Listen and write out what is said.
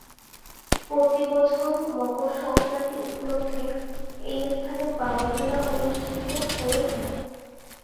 প্রতি বছর মকর সংক্রান্তি উপলক্ষে এই স্থানে বাউল মেলা অনুষ্ঠিত হয়ে থাকে।